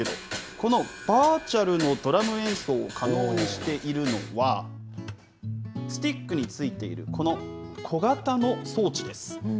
このバーチャルのドラム演奏を可能にしているのは、スティックについている、この小型の装置です。